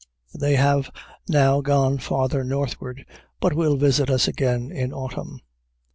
They have now gone farther northward, but will visit us again in autumn.